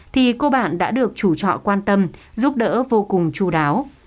thì cô bạn đã được chủ trọ quan tâm giúp đỡ vô cùng chú đáo